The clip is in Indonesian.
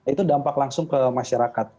itu dampak langsung ke masyarakat